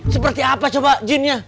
seperti apa coba jinnya